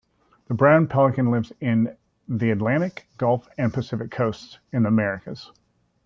The brown pelican lives on the Atlantic, Gulf and Pacific coasts in the Americas.